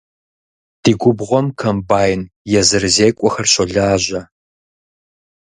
Ди губгъуэм комбайн езырызекӏуэхэр щолажьэ.